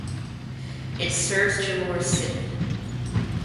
It serves Jalor city.